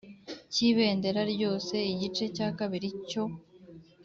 Cy’ibendera ryose. Igice cya kabiri cyo